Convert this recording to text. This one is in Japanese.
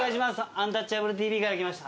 「アンタッチャブるＴＶ」から来ました。